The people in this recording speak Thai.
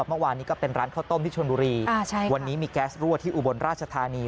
เมื่อวานนี้ก็เป็นร้านข้าวต้มที่ชนบุรีวันนี้มีแก๊สรั่วที่อุบลราชธานี